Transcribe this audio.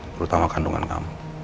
terutama kandungan kamu